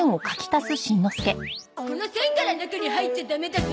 この線から中に入っちゃダメだゾ！